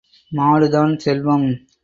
மாடு தான் செல்வம்.